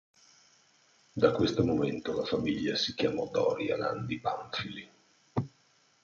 Da questo momento la famiglia si chiamò Doria Landi Pamphili.